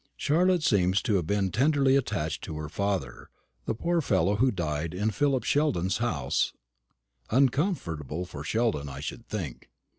Charlotte seems to have been tenderly attached to her father, the poor fellow who died in Philip Sheldon's house uncomfortable for Sheldon, I should think.